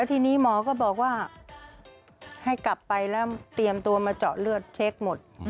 ทีนี้หมอก็บอกว่าให้กลับไปแล้วเตรียมตัวมาเจาะเลือดเช็คหมด